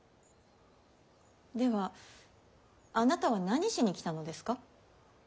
ではあなたは何しに来たのですか？